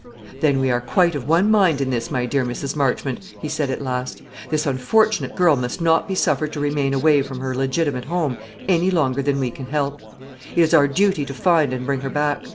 "Then we are quite of one mind in this, my dear Mrs. Marchmont," he said at last; "this unfortunate girl must not be suffered to remain away from her legitimate home any longer than we can help. It is our duty to find and bring her back.